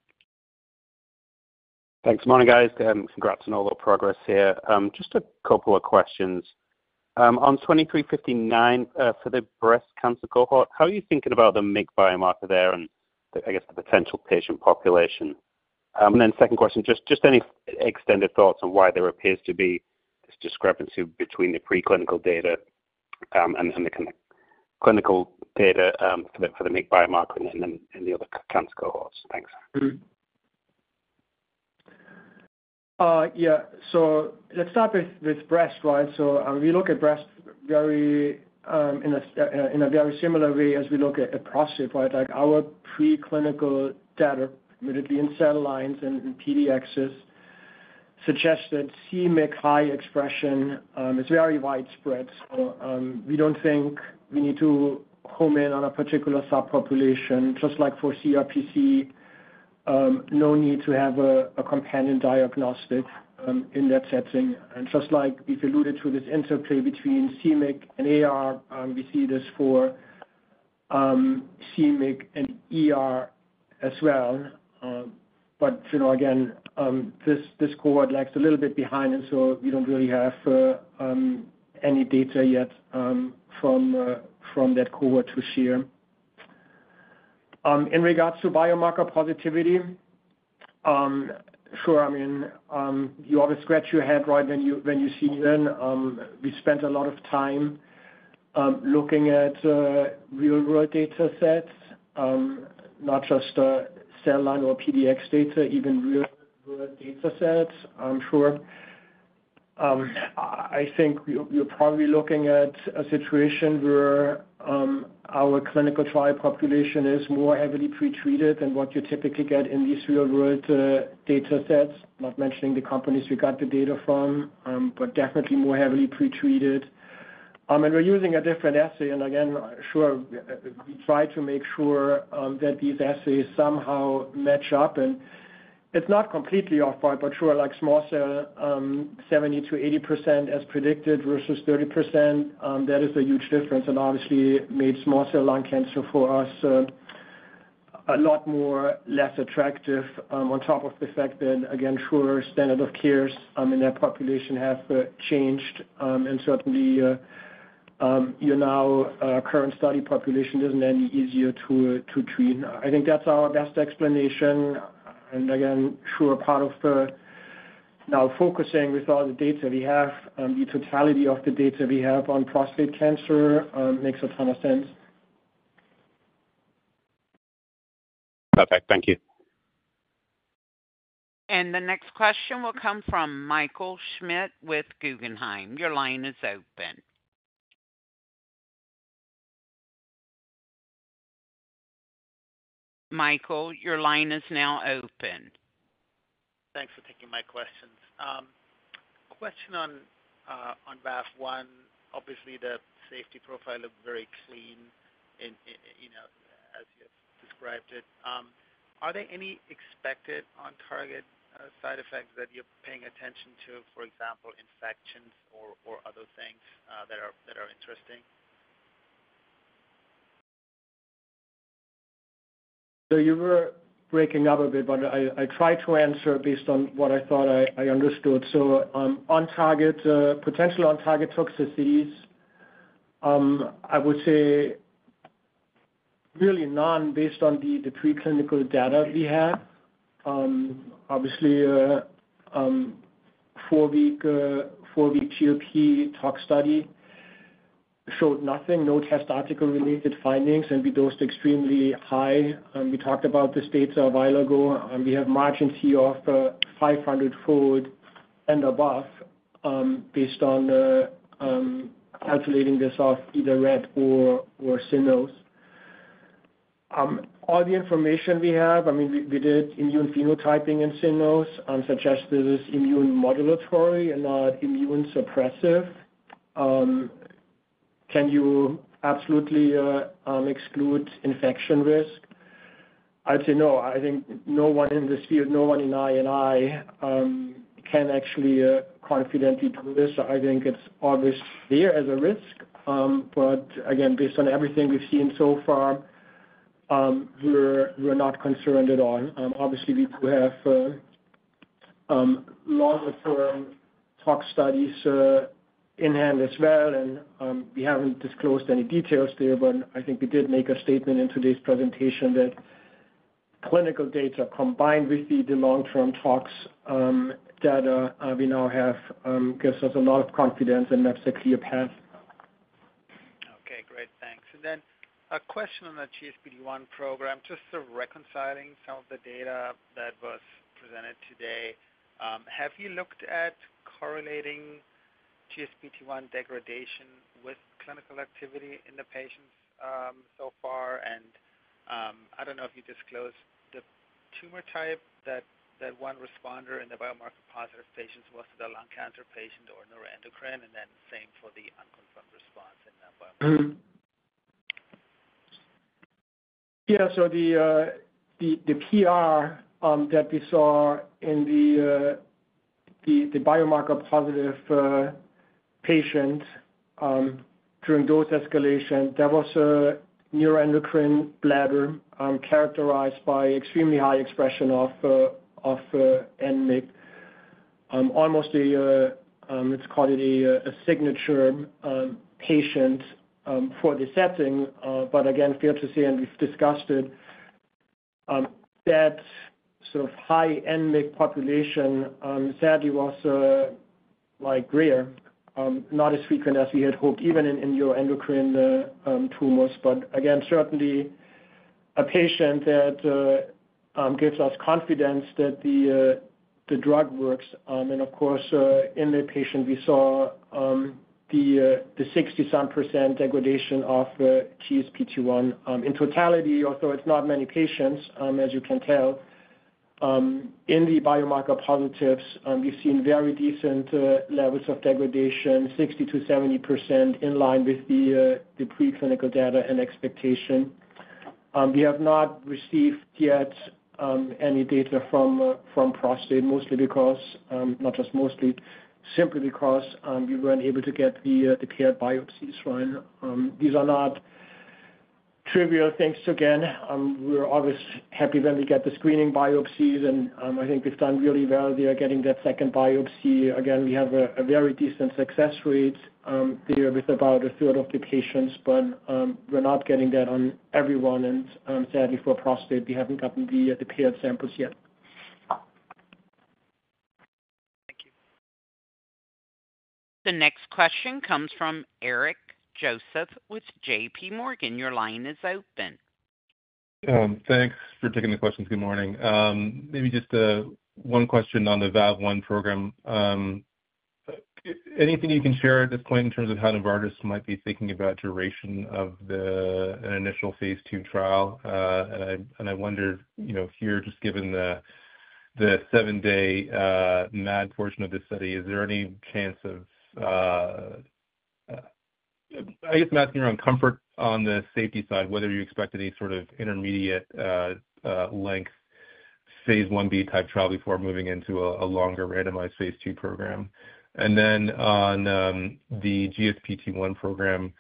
Speaker 9: Thanks, morning guys. Congrats on all the progress here. Just a couple of questions. On 2359 for the breast cancer cohort, how are you thinking about the MYC biomarker there and, I guess, the potential patient population? Second question, just any extended thoughts on why there appears to be this discrepancy between the preclinical data and the clinical data for the MYC biomarker and the other cancer cohorts? Thanks.
Speaker 3: Yeah. Let's start with breast, right? We look at breast in a very similar way as we look at prostate, right? Our preclinical data, admittedly in cell lines and in PDXs, suggest that MYC high expression is very widespread. We do not think we need to home in on a particular subpopulation, just like for CRPC, no need to have a companion diagnostic in that setting. Just like we have alluded to this interplay between MYC and AR, we see this for MYC as well. Again, this cohort lags a little bit behind, and we do not really have any data yet from that cohort to share. In regards to biomarker positivity, sure, I mean, you always scratch your head right when you see it. We spent a lot of time looking at real-world data sets, not just cell line or PDX data, even real-world data sets. I think you're probably looking at a situation where our clinical trial population is more heavily pretreated than what you typically get in these real-world data sets, not mentioning the companies we got the data from, but definitely more heavily pretreated. We're using a different assay. We try to make sure that these assays somehow match up. It's not completely off, but like small cell, 70-80% as predicted versus 30%, that is a huge difference and obviously made small cell lung cancer for us a lot more less attractive on top of the fact that standard of cares in that population have changed. Certainly, your now current study population isn't any easier to treat. I think that's our best explanation. Again, sure, part of now focusing with all the data we have, the totality of the data we have on prostate cancer makes a ton of sense.
Speaker 9: Perfect. Thank you.
Speaker 1: The next question will come from Michael Schmidt with Guggenheim. Your line is open. Michael, your line is now open.
Speaker 10: Thanks for taking my questions. Question on VAV1. Obviously, the safety profile looked very clean as you've described it. Are there any expected on-target side effects that you're paying attention to, for example, infections or other things that are interesting?
Speaker 3: You were breaking up a bit, but I tried to answer based on what I thought I understood. On-target, potential on-target toxicities, I would say really none based on the preclinical data we have. Obviously, four-week GLP tox study showed nothing, no test article-related findings, and we dosed extremely high. We talked about this data a while ago. We have margins here of 500-fold and above based on calculating this off either rat or cynos. All the information we have, I mean, we did immunephenotyping in cynos and suggested it is immunomodulatory and not immunosuppressive. Can you absolutely exclude infection risk? I'd say no. I think no one in this field, no one in I&I can actually confidently do this. I think it's obviously there as a risk. Again, based on everything we've seen so far, we're not concerned at all. Obviously, we do have longer-term tox studies in hand as well, and we haven't disclosed any details there, but I think we did make a statement in today's presentation that clinical data combined with the long-term tox data we now have gives us a lot of confidence, and that's a clear path.
Speaker 10: Okay. Great. Thanks. A question on the GSPT1 program, just sort of reconciling some of the data that was presented today. Have you looked at correlating GSPT1 degradation with clinical activity in the patients so far? I don't know if you disclosed the tumor type that one responder in the biomarker-positive patients was, the lung cancer patient or neuroendocrine, and then same for the unconfirmed response in the biomarker-positive patients.
Speaker 3: Yeah. The PR that we saw in the biomarker-positive patients during dose escalation, there was a neuroendocrine bladder characterized by extremely high expression of N-MYC. Almost a, let's call it a signature patient for the setting, but again, failed to say, and we've discussed it, that sort of high N-MYC population, sadly, was rare, not as frequent as we had hoped, even in neuroendocrine tumors. Certainly, a patient that gives us confidence that the drug works. Of course, in the patient, we saw the 60-some % degradation of GSPT1 in totality, although it's not many patients, as you can tell. In the biomarker positives, we've seen very decent levels of degradation, 60-70% in line with the preclinical data and expectation. We have not received yet any data from prostate, mostly because, not just mostly, simply because we were not able to get the paired biopsies, right? These are not trivial things to get. We are always happy when we get the screening biopsies, and I think we have done really well there getting that second biopsy. Again, we have a very decent success rate there with about a third of the patients, but we are not getting that on everyone. Sadly, for prostate, we have not gotten the paired samples yet.
Speaker 10: Thank you.
Speaker 1: The next question comes from Eric Joseph with JPMorgan. Your line is open.
Speaker 11: Thanks for taking the questions. Good morning. Maybe just one question on the VAV1 program. Anything you can share at this point in terms of how Novartis might be thinking about duration of an initial phase II trial? I wonder if you're just given the seven-day MAD portion of this study, is there any chance of, I guess, I'm asking around comfort on the safety side, whether you expect any sort of intermediate-length phase I-B type trial before moving into a longer randomized phase II program? On the GSPT1 program,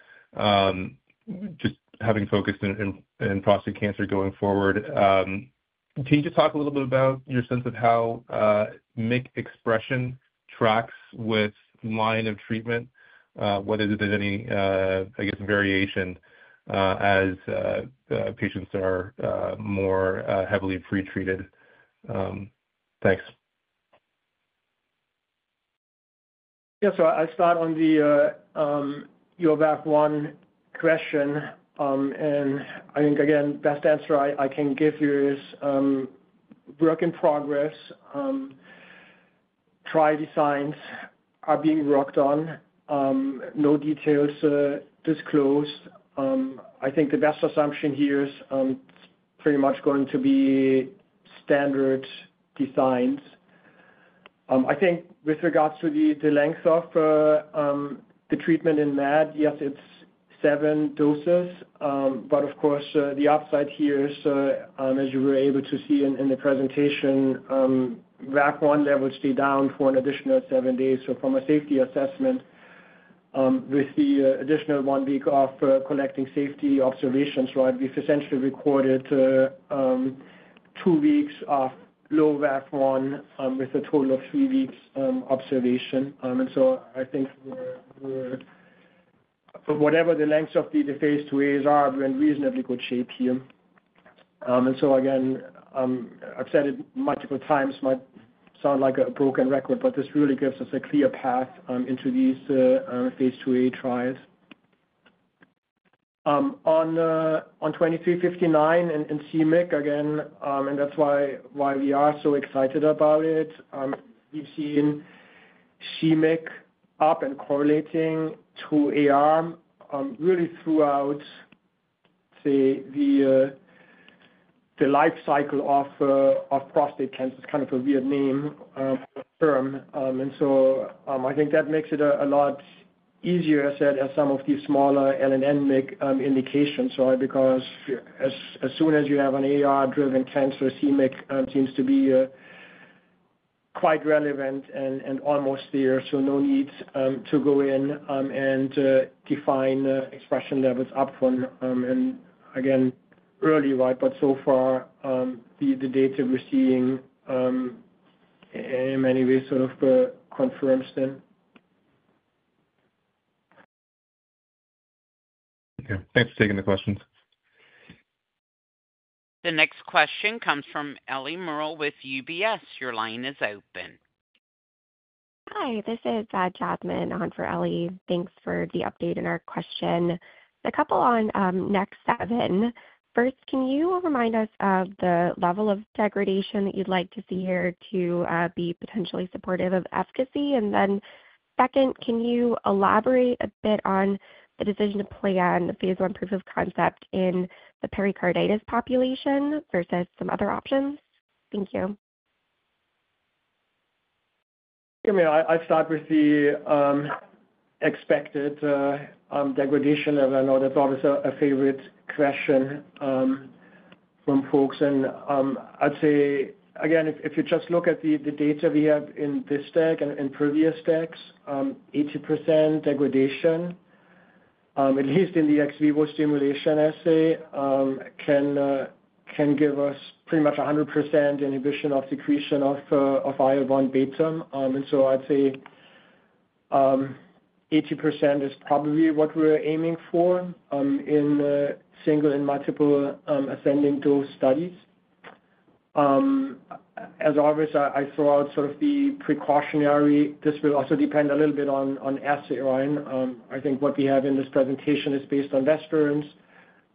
Speaker 11: just having focused in prostate cancer going forward, can you just talk a little bit about your sense of how MYC expression tracks with line of treatment? Whether there's any, I guess, variation as patients are more heavily pretreated? Thanks.
Speaker 3: Yeah. I start on the VAV1 question. I think, again, the best answer I can give here is work in progress. Trial designs are being worked on. No details disclosed. I think the best assumption here is pretty much going to be standard designs. I think with regards to the length of the treatment in MAD, yes, it's seven doses. Of course, the upside here is, as you were able to see in the presentation, VAV1 levels stay down for an additional seven days. From a safety assessment, with the additional one week of collecting safety observations, right, we've essentially recorded two weeks of low VAV1 with a total of three weeks observation. I think whatever the lengths of the phase II-A's are, we're in reasonably good shape here. I've said it multiple times, might sound like a broken record, but this really gives us a clear path into these phase II-A trials. On 2359 and c-MYC, again, and that's why we are so excited about it, we've seen c-MYC up and correlating to AR really throughout, say, the life cycle of prostate cancer is kind of a weird name term. I think that makes it a lot easier, as I said, as some of these smaller L-MYC and N-MYC indications, right? Because as soon as you have an AR-driven cancer, c-MYC seems to be quite relevant and almost there, so no need to go in and define expression levels upfront and, again, early, right? So far, the data we're seeing in many ways sort of confirms them.
Speaker 11: Okay. Thanks for taking the questions.
Speaker 1: The next question comes from Ellie Merle with UBS. Your line is open.
Speaker 12: Hi. This is Jasmine, on for Ellie. Thanks for the update and our question. A couple on NEK7. First, can you remind us of the level of degradation that you'd like to see here to be potentially supportive of efficacy? Then second, can you elaborate a bit on the decision to plan the phase I proof of concept in the pericarditis population versus some other options? Thank you.
Speaker 3: Yeah. I mean, I'll start with the expected degradation level. I know that's always a favorite question from folks. I'd say, again, if you just look at the data we have in this stack and previous stacks, 80% degradation, at least in the ex vivo stimulation assay, can give us pretty much 100% inhibition of secretion of IL-1β. I'd say 80% is probably what we're aiming for in single and multiple ascending dose studies. As always, I throw out sort of the precautionary. This will also depend a little bit on assay, right? I think what we have in this presentation is based on Westerns.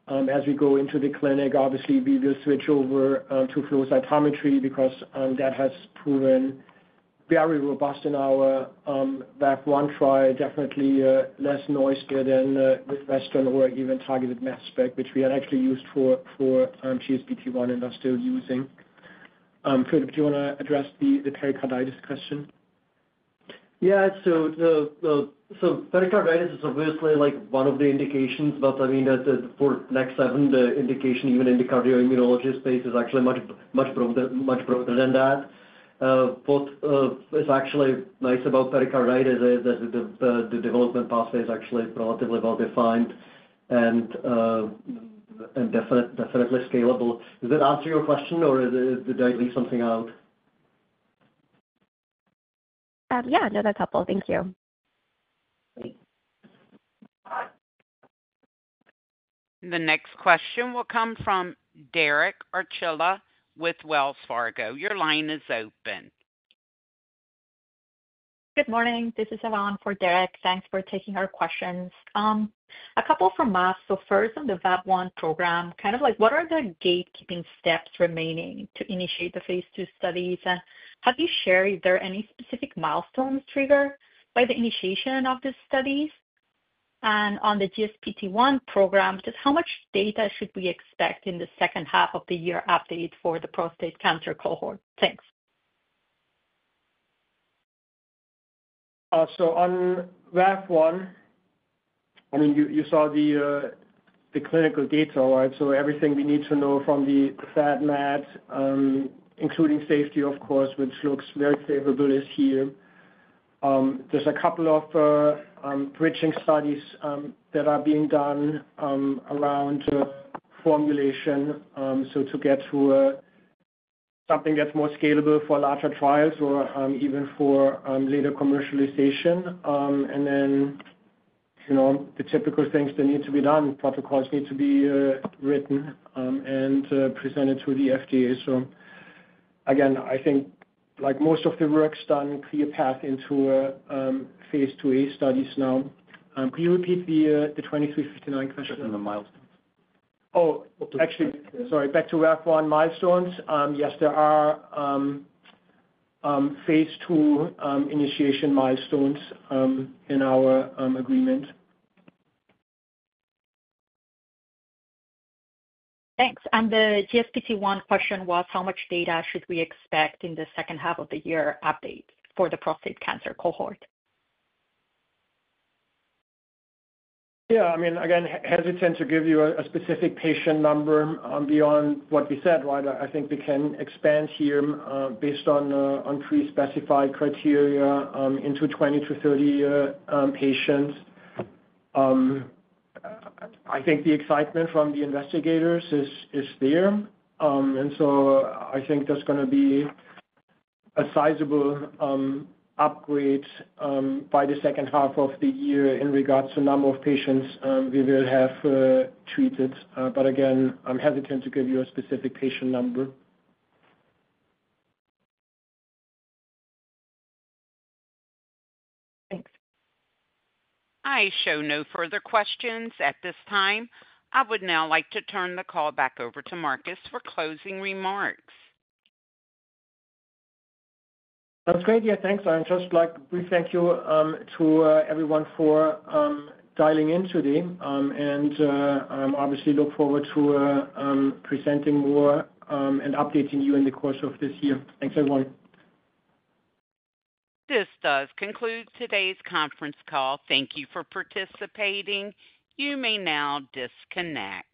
Speaker 3: As we go into the clinic, obviously, we will switch over to flow cytometry because that has proven very robust in our VAV1 trial, definitely less noisy than with Westerns or even targeted mass spec, which we had actually used for GSPT1 and are still using. Filip, do you want to address the pericarditis question?
Speaker 4: Yeah. Pericarditis is obviously one of the indications, but I mean, for NEK7, the indication, even in the cardioimmunology space, is actually much broader than that. What is actually nice about pericarditis is that the development pathway is actually relatively well-defined and definitely scalable. Does that answer your question, or did I leave something out?
Speaker 12: Yeah. No, that's helpful. Thank you.
Speaker 1: The next question will come from Derek Archila with Wells Fargo. Your line is open.
Speaker 13: Good morning. This is Yvonne for Derek. Thanks for taking our questions. A couple from us. First, on the VAV1 program, kind of what are the gatekeeping steps remaining to initiate the phase studies? Have you shared if there are any specific milestones triggered by the initiation of the studies? On the GSPT1 program, just how much data should we expect in the second half of the year update for the prostate cancer cohort? Thanks.
Speaker 3: On VAV1, I mean, you saw the clinical data, right? Everything we need to know from the SAD/MAD, including safety, of course, which looks very favorable, is here. There's a couple of bridging studies that are being done around formulation, to get to something that's more scalable for larger trials or even for later commercialization. The typical things that need to be done, protocols need to be written and presented to the FDA. Again, I think most of the work's done, clear path into phase II-A studies now. Can you repeat the 2359 question?
Speaker 4: Just on the milestones.
Speaker 3: Oh, actually, sorry. Back to VAV1 milestones. Yes, there are phase II initiation milestones in our agreement.
Speaker 13: Thanks. The GSPT1 question was, how much data should we expect in the second half of the year update for the prostate cancer cohort?
Speaker 3: Yeah. I mean, again, hesitant to give you a specific patient number beyond what we said, right? I think we can expand here based on pre-specified criteria into 20-30 patients. I think the excitement from the investigators is there. I think there's going to be a sizable upgrade by the second half of the year in regards to the number of patients we will have treated. Again, I'm hesitant to give you a specific patient number.
Speaker 13: Thanks.
Speaker 1: I show no further questions at this time. I would now like to turn the call back over to Marcus for closing remarks.
Speaker 3: That's great. Yeah. Thanks. I just like to thank you to everyone for dialing in today. I obviously look forward to presenting more and updating you in the course of this year. Thanks, everyone.
Speaker 1: This does conclude today's conference call. Thank you for participating. You may now disconnect.